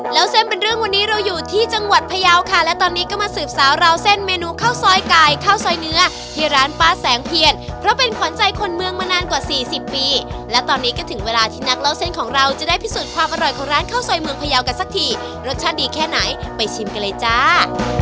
แล้วเส้นเป็นเรื่องวันนี้เราอยู่ที่จังหวัดพยาวค่ะและตอนนี้ก็มาสืบสาวราวเส้นเมนูข้าวซอยไก่ข้าวซอยเนื้อที่ร้านป้าแสงเพียนเพราะเป็นขวัญใจคนเมืองมานานกว่าสี่สิบปีและตอนนี้ก็ถึงเวลาที่นักเล่าเส้นของเราจะได้พิสูจน์ความอร่อยของร้านข้าวซอยเมืองพยาวกันสักทีรสชาติดีแค่ไหนไปชิมกันเลยจ้า